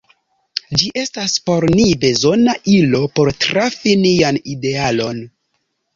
Ĝi estas por ni bezona ilo por trafi nian idealon.